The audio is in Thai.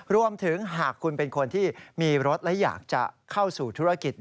รวมถึงหากคุณเป็นคนที่มีรถและอยากจะเข้าสู่ธุรกิจ